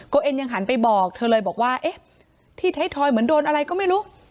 เอ็นยังหันไปบอกเธอเลยบอกว่าเอ๊ะที่ไทยทอยเหมือนโดนอะไรก็ไม่รู้